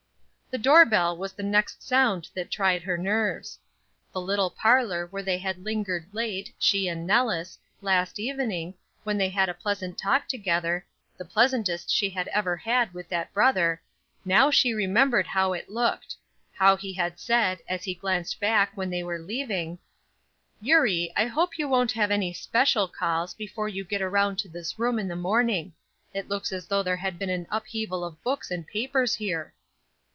The door bell was the next sound that tried her nerves. The little parlor where they had lingered late, she and Nellis, last evening, when they had a pleasant talk together, the pleasantest she had ever had with that brother; now she remembered how it looked; how he had said, as he glanced back when they were leaving: "Eurie, I hope you won't have any special calls before you get around to this room in the morning; it looks as though there had been an upheaval of books and papers here."